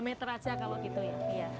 dua meter saja kalau gitu ya